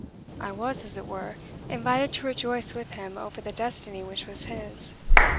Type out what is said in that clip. I was, as it were, invited to rejoice with him over the destiny which was his.